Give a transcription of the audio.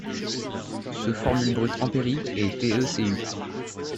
Se formule brute empirique est TeCu.